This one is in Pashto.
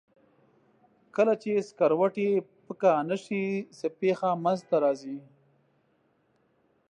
کله چې سکروټې پکه نه شي څه پېښه منځ ته راځي؟